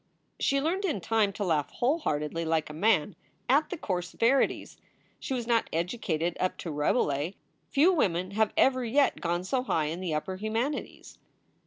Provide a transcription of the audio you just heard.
She learned in time to laugh whole heartedly, like a man, at the coarse verities. She was not educated up to Rabe lais. Few women have ever yet gone so high in the upper humanities.